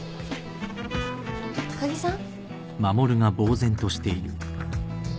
高木さん？